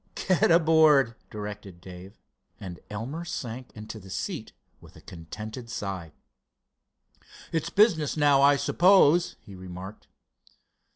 "Get aboard," directed Dave, and Elmer sank into the seat with a contented sigh. "It's business now, I suppose," he remarked.